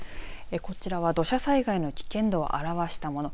こちらは土砂災害の危険度を表したもの。